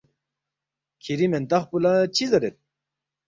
”کِھری مِنتخ پو لہ چِہ زیرید؟“